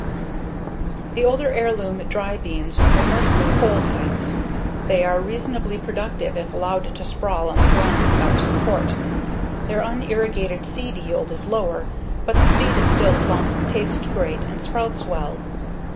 The older heirloom dry beans were mostly pole types. They are reasonably productive if allowed to sprawl on the ground without support. Their unirrigated seed yield is lower, but the seed is still plump, tastes great, and sprouts well.